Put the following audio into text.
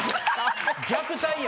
虐待や。